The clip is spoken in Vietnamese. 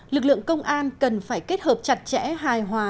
lực lượng công an cần phải kết hợp chặt chẽ hài hòa